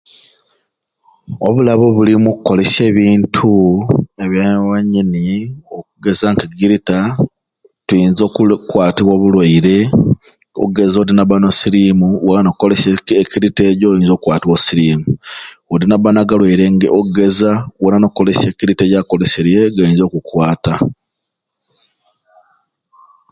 Obulabe obuli omukukolesya ebintu ebyabwanyini okugeza nka egirita tuyiza okukwatibwa obulwaire okugeza odi naba n'osirimu wena nokolesya ekirita ejjo oyinza okukwatibwa osirimu odi naba nagalwaire okugeza wena nokolesya ekirita jakolesyere gayinza okukwata